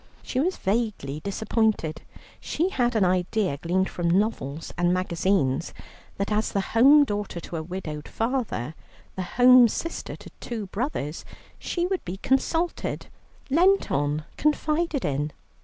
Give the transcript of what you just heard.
She was vaguely disappointed; she had an idea, gleaned from novels and magazines, that as the home daughter to a widowed father, the home sister to two brothers, she would be consulted, leant on, confided in.